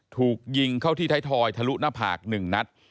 ถูกยิงเข้าที่ไทยทอยทะลุหน้าผาก๑นัด